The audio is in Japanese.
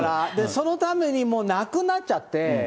そのためにもうなくなっちゃって。